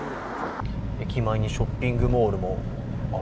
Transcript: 駅前にショッピングモールもある。